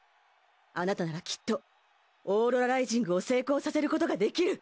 あなたならきっとオーロラライジングを成功させることができる！